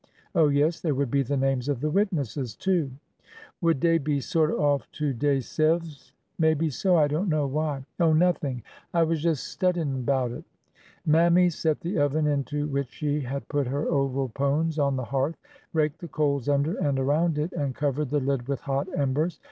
Oh, yes ; there would be the names of the witnesses, too." '' Would dey be sorter off to deyse'ves ?" Maybe so. I don't know. Why ?" Oh, nothin'. I was jes' stud'in' 'bout it." Mammy set the oven into which she had put her oval pones on the hearth, raked the coals under and around it, and covered the lid with hot embers.